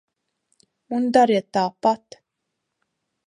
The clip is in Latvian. Un dariet tāpat!